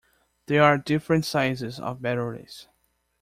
There are different sizes of batteries.